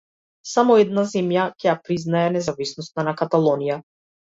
Само една земја ќе ја признае независноста на Каталонија.